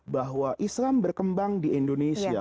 bahwa islam berkembang di indonesia